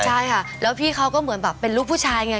ใช่ค่ะแล้วพี่เขาก็เหมือนแบบเป็นลูกผู้ชายไง